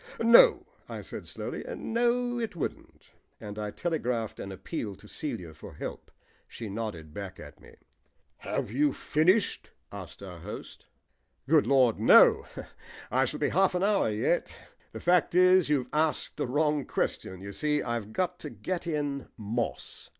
"No," I said slowly, "no, it wouldn't," and I telegraphed an appeal to Celia for help. She nodded back at me. "Have you finished?" asked our host. "Good Lord, no, I shall be half an hour yet. The fact is you've asked the wrong question. You see, I've got to get in 'moss.'"